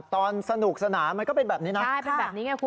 ตอนสนุกสนานมันก็เป็นแบบนี้นะครับ